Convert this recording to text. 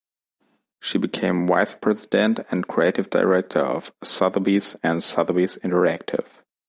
She became Vice President and Creative Director of Sotheby's and Sotheby's Interactive.